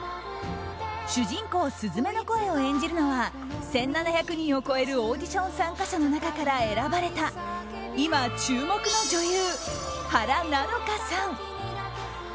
主人公すずめの声を演じるのは１７００人を超えるオーディション参加者の中から選ばれた今注目の女優・原菜乃華さん。